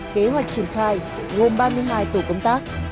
kế hoạch triển khai gồm ba mươi hai tổ công tác